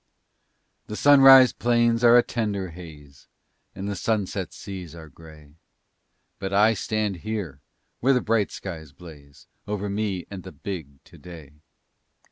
The sunrise plains are a tender haze And the sunset seas are gray, But I stand here, where the bright skies blaze Over me and the big today.